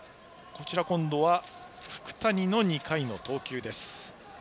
今度は福谷の２回の投球です。